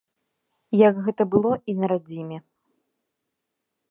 Як гэта было і на радзіме!